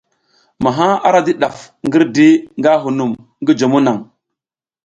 Maha ara di ɗaf ngirdi nga hunum ngi jomo naŋ.